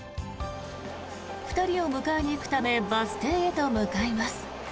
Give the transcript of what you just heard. ２人を迎えに行くためバス停へと向かいます。